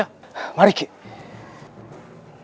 yang namanya aku itu ada dua